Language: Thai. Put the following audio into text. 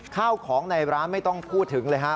ข้าวของในร้านไม่ต้องพูดถึงเลยฮะ